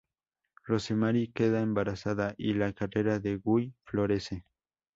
Rosemary queda embarazada y la carrera de Guy florece.